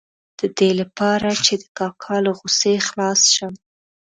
د دې لپاره چې د کاکا له غوسې خلاص شم.